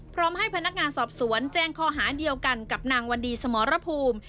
พร้อมให้พนักงานสอบสวนแจ้งข้อหาเดียวกันกับนางวันดีสมรภูมิ